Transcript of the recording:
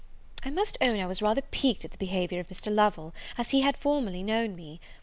I must own, I was rather piqued at the behaviour of Mr. Lovel, as he had formerly known me.